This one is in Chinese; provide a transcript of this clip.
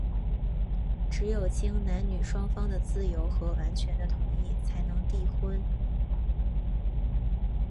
只有经男女双方的自由和完全的同意,才能缔婚。